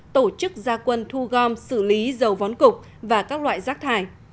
tổ chức gia quân thu gom xử lý dầu vón cục và các loại rác thải